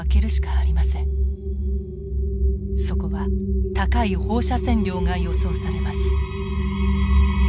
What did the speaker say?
そこは高い放射線量が予想されます。